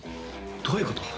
どういうこと？